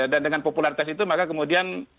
dan dengan popularitas itu maka kemudian